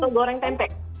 terus goreng tempek